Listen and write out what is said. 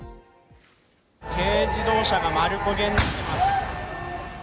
軽自動車が丸焦げになっています。